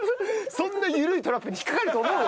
そんな緩いトラップに引っかかると思う？